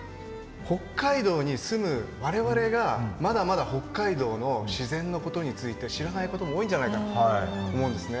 北海道に住む我々がまだまだ北海道の自然のことについて知らないことも多いんじゃないかなと思うんですね。